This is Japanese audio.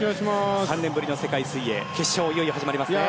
３年ぶりの世界水泳決勝がいよいよ始まりますね。